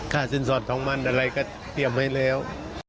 สินสอดของมันอะไรก็เตรียมไว้แล้ว